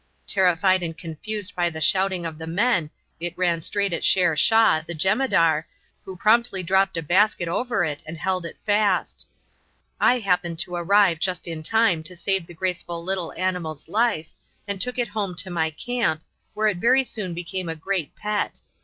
Terrified and confused by the shouting of the men, it ran straight at Shere Shah, the jemadar, who promptly dropped a basket over it and held it fast. I happened to arrive just in time to save the graceful little animal's life, and took it home to my camp, where it very soon became a great pet.